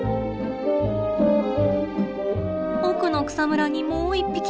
奥の草むらにもう１匹。